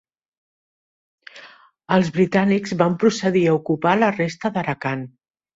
Els britànics van procedir a ocupar la resta d'Arakan.